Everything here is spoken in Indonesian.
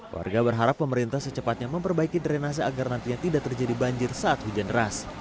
warga berharap pemerintah secepatnya memperbaiki drenase agar nantinya tidak terjadi banjir saat hujan deras